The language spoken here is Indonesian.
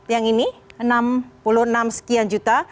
yang ini enam puluh enam sekian juta